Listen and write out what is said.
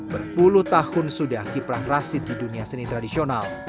berpuluh tahun sudah kiprang rasid di dunia seni tradisional